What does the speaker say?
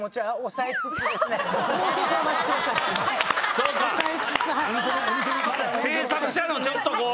そうか制作者のちょっとこう。